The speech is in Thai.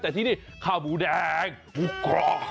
แต่ที่นี่ข้าวหมูแดงหมูกรอบ